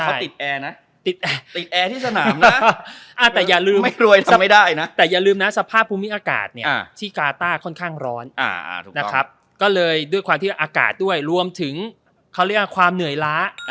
เขาติดแอร์นะติดแอร์ติดแอร์ที่สนามนะแต่อย่าลืมไม่กลัวจะไม่ได้นะแต่อย่าลืมนะสภาพภูมิอากาศเนี่ยที่กาต้าค่อนข้างร้อนนะครับก็เลยด้วยความที่ว่าอากาศด้วยรวมถึงเขาเรียกว่าความเหนื่อยล้า